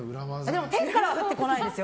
でも天からは降ってこないですよ。